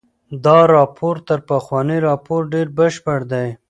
دا راپور تر پخواني راپور ډېر بشپړ دی.